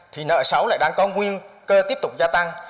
thì nợ xấu lại đang có nguy cơ tiếp tục gia tăng